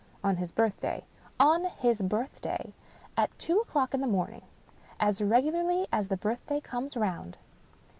"On his birthday?" " On his birthday. At two o'clock in the moming. As regularly as the birthday comes round."